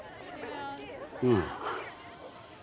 うん。